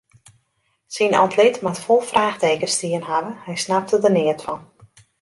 Syn antlit moat fol fraachtekens stien hawwe, hy snapte der neat fan.